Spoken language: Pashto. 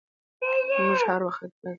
موږ هر وخت د هیواد چوپړ ته چمتو یوو.